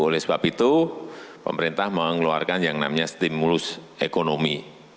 oleh sebab itu pemerintah mengeluarkan yang namanya stimulus ekonomi